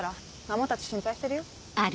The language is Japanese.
ママたち心配してるよ。